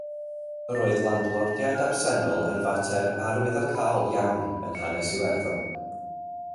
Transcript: Roedd landlordiaid absennol yn fater arwyddocaol iawn yn hanes Iwerddon.